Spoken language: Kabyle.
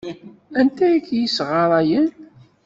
Anta ay k-yessɣarayen?